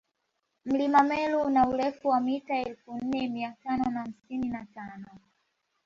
mlima meru una urefu wa mita elfu nne miatano na hamsini na tano